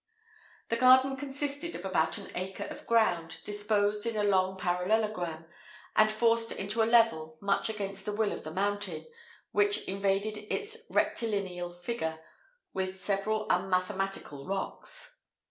The garden consisted of about an acre of ground, disposed in a long parallelogram, and forced into a level much against the will of the mountain, which invaded its rectilinear figure with several unmathematical rocks.